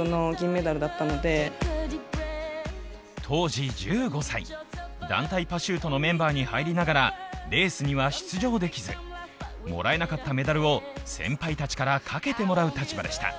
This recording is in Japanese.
当時１５歳、団体パシュートのメンバーに入りながらレースには出場できず、もらえなかったメダルを先輩たちからかけてもらう立場でした。